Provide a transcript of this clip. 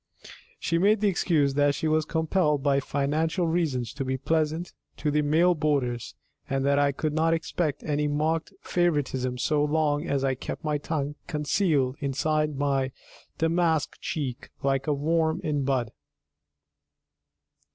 She made the excuse that she was compelled by financial reasons to be pleasant to the male boarders, and that I could not expect any marked favouritism so long as I kept my tongue concealed inside my damask cheek like a worm in bud.